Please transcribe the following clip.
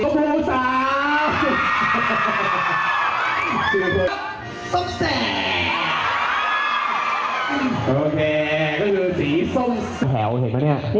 หนึ่งสามสาม